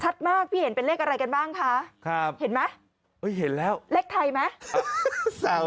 มากพี่เห็นเป็นเลขอะไรกันบ้างคะครับเห็นไหมเห็นแล้วเลขไทยไหม